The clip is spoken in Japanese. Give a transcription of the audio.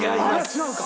違うか。